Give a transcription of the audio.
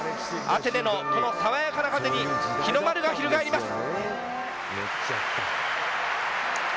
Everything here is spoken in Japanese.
アテネの、この爽やかな風に日の丸が広がります。